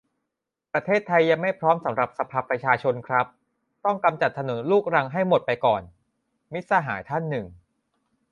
"ประเทศไทยยังไม่พร้อมสำหรับสภาประชาชนครับ ต้องกำจัดถนนลูกรังให้หมดไปก่อน" - มิตรสหายท่านหนึ่ง